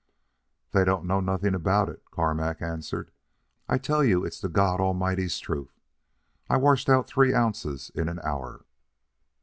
"They don't know nothing about it," Carmack answered. "I tell you it's the God Almighty's truth. I washed out three ounces in an hour."